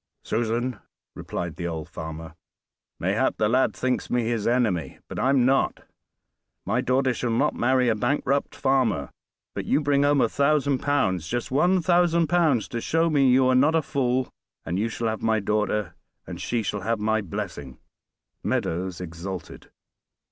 "Susan!" replied the old farmer, "mayhap the lad thinks me his enemy, but I'm not. My daughter shall not marry a bankrupt farmer, but you bring home a thousand pounds just one thousand pounds to show me you are not a fool, and you shall have my daughter and she shall have my blessing." Meadows exulted.